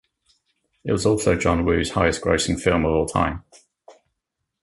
It was also John Woo's highest grossing film of all time.